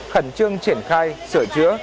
khẩn trương triển khai sửa chữa